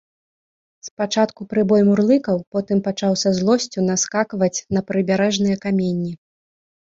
Спачатку прыбой мурлыкаў, потым пачаў са злосцю наскакваць на прыбярэжныя каменні.